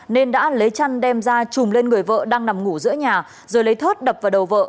nên đã lấy chăn đem ra chùm lên người vợ đang nằm ngủ giữa nhà rồi lấy thớt đập vào đầu vợ